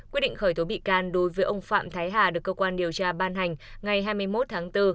quyết định khởi tố bị can đối với ông phạm thái hà được cơ quan điều tra ban hành ngày hai mươi một tháng bốn